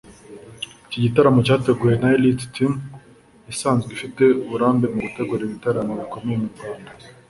Iki gitaramo cyateguwe na ‘Elite Team’ isanzwe ifite uburambe mu gutegura ibitaramo bikomeye mu Rwanda